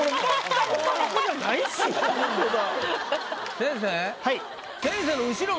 先生。